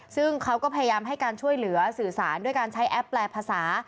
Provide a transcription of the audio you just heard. ซึ่งเขาก็พยายามให้การช่วยเหลือสื่อสารด้วยการใช้แอปแปลภาษา